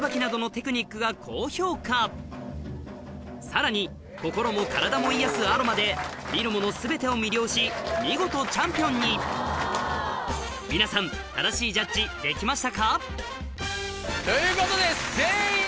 さらに心も体も癒やすアロマで見る者全てを魅了し見事チャンピオンに皆さん正しいジャッジできましたか？ということで。